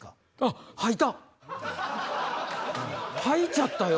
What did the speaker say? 吐いちゃったよ。